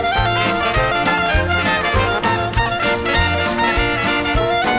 โปรดติดตามต่อไป